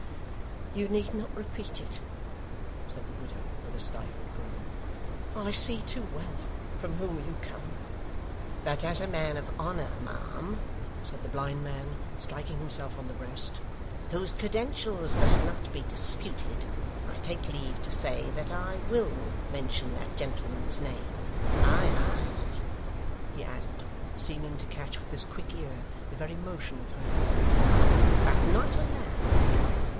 'You need not repeat it,' said the widow, with a stifled groan; 'I see too well from whom you come.' 'But as a man of honour, ma'am,' said the blind man, striking himself on the breast, 'whose credentials must not be disputed, I take leave to say that I WILL mention that gentleman's name. Ay, ay,' he added, seeming to catch with his quick ear the very motion of her hand, 'but not aloud.